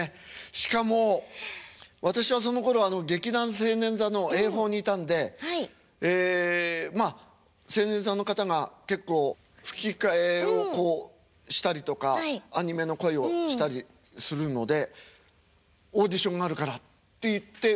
しかも私はそのころは劇団青年座の映放にいたんでええまあ青年座の方が結構吹き替えをしたりとかアニメの声をしたりするのでオーディションがあるからっていって受けて。